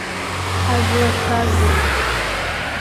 Ҳазлашәазеи?